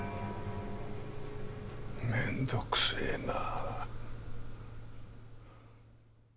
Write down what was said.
めんどくせえな。